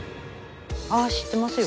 ああ知ってますよ。